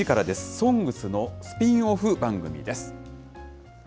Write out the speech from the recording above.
ＳＯＮＧＳのスピンオフ番組です。